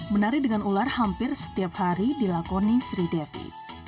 menari dengan ular hampir setiap hari dilakoni sri devi